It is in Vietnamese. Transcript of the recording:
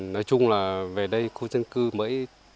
nói chung là về đây khu dân cư mới